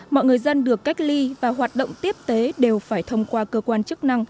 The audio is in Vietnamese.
mọi người dân được cách ly và hoạt động tiếp tế đều phải thông qua cơ quan chức năng